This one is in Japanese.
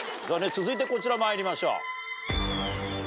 続いてこちらまいりましょう。